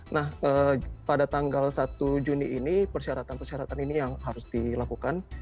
nah pada tanggal satu juni ini persyaratan persyaratan ini yang harus dilakukan